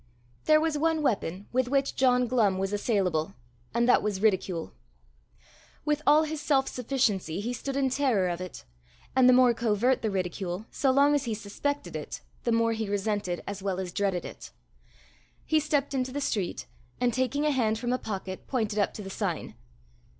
There was one weapon with which John Glumm was assailable, and that was ridicule: with all his self sufficiency he stood in terror of it and the more covert the ridicule, so long as he suspected it, the more he resented as well as dreaded it. He stepped into the street, and taking a hand from a pocket, pointed up to the sign.